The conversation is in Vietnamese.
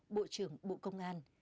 bộ trưởng bộ công an